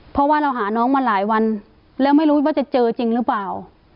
เพราะว่าเราหาน้องมาหลายวันแล้วไม่รู้ว่าจะเจอจริงหรือเปล่า